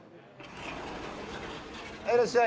はいいらっしゃい。